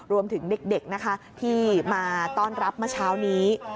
รวมถึงเด็กนะคะที่มาต้อนรับเมื่อเช้านี้